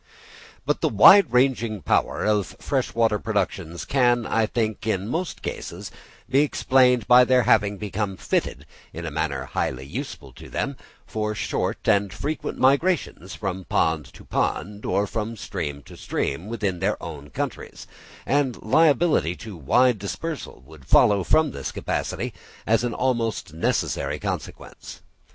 But the wide ranging power of fresh water productions can, I think, in most cases be explained by their having become fitted, in a manner highly useful to them, for short and frequent migrations from pond to pond, or from stream to stream, within their own countries; and liability to wide dispersal would follow from this capacity as an almost necessary consequence.